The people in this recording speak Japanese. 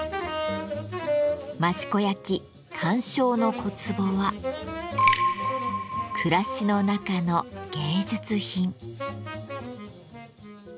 益子焼鑑賞の小壺は暮らしの中の芸術品。